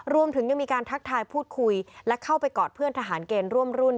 รวมถึงยังมีการทักทายพูดคุยและเข้าไปกอดเพื่อนทหารเกณฑ์ร่วมรุ่น